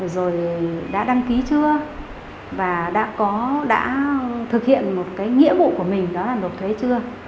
rồi đã đăng ký chưa và đã thực hiện một nghĩa vụ của mình đó là nộp thuế chưa